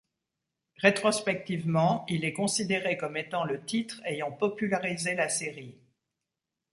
Rétrospectivement, il est considéré comme étant le titre ayant popularisé la série.